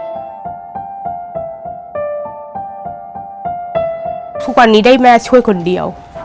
ถามไปอะไรบุ๋มบอกคุณทุกวันนี้ได้แม่ช่วยคนเดียว